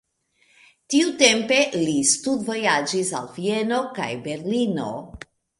Tiutempe li studvojaĝis al Vieno kaj Berlino.